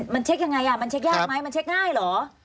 มันเช็คยังไงมันเช็คยากไหมมันเช็คง่ายเหรอ